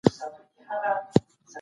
موږ بايد نوښتګر اوسو.